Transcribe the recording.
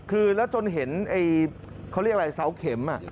คือแล้วจนเห็นเขาเรียกอะไรเสาเข็ม